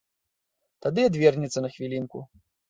Тады адвернецца на хвілінку.